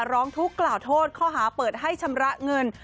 ร้องทุกข์กล่าวโทษข้อหาเปิดให้ชำระเงิน